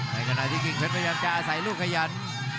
ในขณะที่กิ่งเพชรพยายามจะอาศัยลูกขยัน